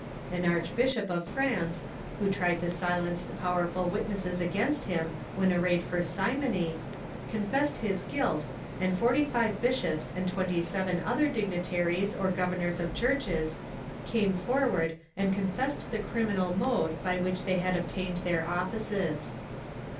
An archbishop of France, who tried to silence the powerful witnesses against him ^^■hen arraigned for simony, confessed his guilt, and forty 9 130 THE MEDIAEVAL CHURCH five bishops and twenty seven other dignitaries or governors of churches came forward and confessed the criminal mode by which they had obtained their offices.